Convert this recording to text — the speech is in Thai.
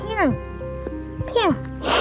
เพี้ยงเพี้ยง